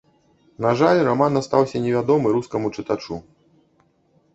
На жаль, раман астаўся невядомы рускаму чытачу.